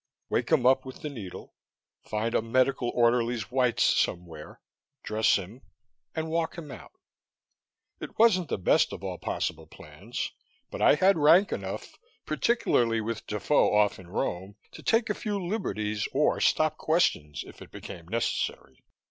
Wake him up with the needle; find a medical orderly's whites somewhere; dress him; and walk him out. It wasn't the best of all possible plans, but I had rank enough, particularly with Defoe off in Rome, to take a few liberties or stop questions if it became necessary.